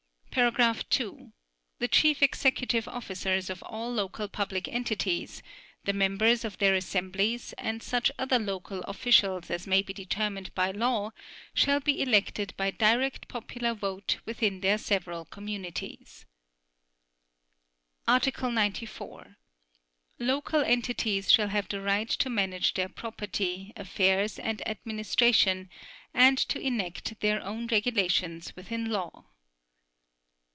(2) The chief executive officers of all local public entities, the members of their assemblies, and such other local officials as may be determined by law shall be elected by direct popular vote within their several communities' Article 94. Local entities shall have the right to manage their property, affairs and administration and to enact their own regulations within law.